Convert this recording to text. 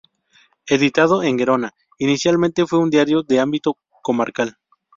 Editado en Gerona, inicialmente fue un diario de ámbito comarcal.